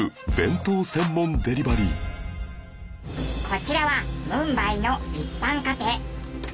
こちらはムンバイの一般家庭。